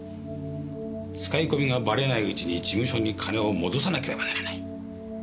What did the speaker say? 使い込みがばれないうちに事務所に金を戻さなければならない。